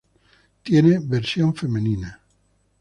Tiene versión femenina.